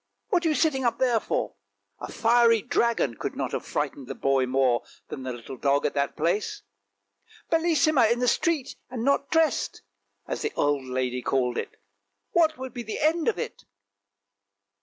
what are you sitting up there for? " A fiery dragon could not have frightened the boy more than the little dog at that place. " Bellissima in the street and not dressed! " as the old lady called it, " what would be the end of it?